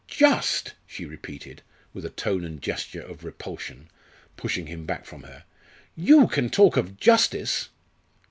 "Just!" she repeated, with a tone and gesture of repulsion, pushing him back from her. "You can talk of justice!"